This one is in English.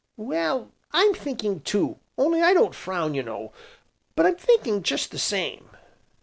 "Well, I'm thinking too, only I don't frown, you know, but I'm thinking just the same."